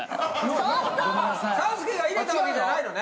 ３助が入れたわけじゃないのね。